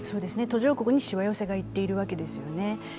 途上国にしわ寄せがいっているわけですよね。